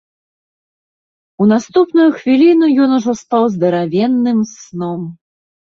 У наступную хвіліну ён ужо спаў здаравенным сном.